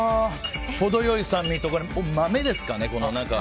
程良い酸味と豆ですかね。